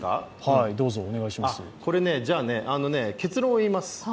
これね、結論を言います。